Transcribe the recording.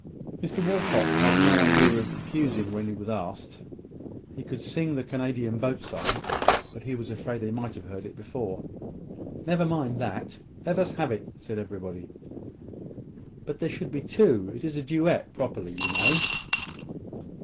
Mr Walcot had no idea of refusing when he was asked. He could sing the Canadian Boat Song; but he was afraid they might have heard it before. "Never mind that. Let us have it," said everybody. "But there should be two: it is a duet, properly, you know."